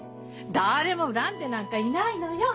誰も恨んでなんかいないのよ。